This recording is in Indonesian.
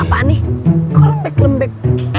apaan nih kok lembek lembek